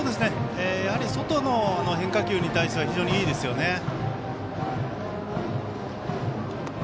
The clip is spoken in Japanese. やはり外の変化球が非常にいいですよね。